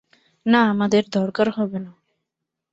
না, আমাদের দরকার হবে না।